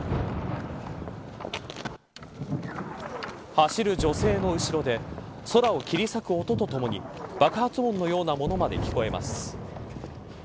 走る女性の後ろで空を切り裂く音とともに爆発音のようなものまで聞こえます。